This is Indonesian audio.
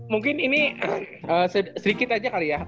mungkin ini sedikit aja kali ya